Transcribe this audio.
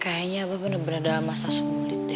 kayaknya aku bener bener dalam masa sulit deh